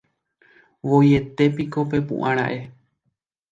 Voietépiko pepu'ãra'e.